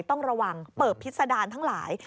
ต้องระวังเปิดพิษดารทั้งหลาย